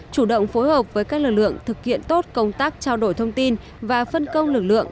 chủ động phối hợp với các lực lượng thực hiện tốt công tác trao đổi thông tin và phân công lực lượng